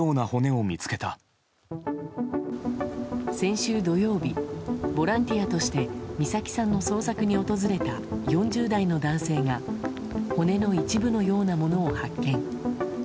先週土曜日ボランティアとして美咲さんの捜索に訪れた４０代の男性が骨の一部のようなものを発見。